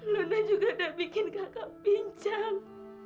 luna juga udah bikin kakak pincang